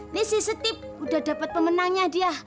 nih si setep udah dapet pemenangnya dia